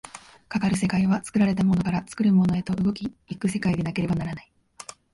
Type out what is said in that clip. かかる世界は作られたものから作るものへと動き行く世界でなければならない。